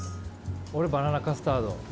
俺バナナカスタード。